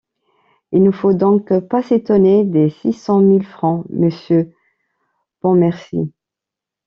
Il ne faut donc pas s’étonner des six cent mille francs, monsieur Pontmercy.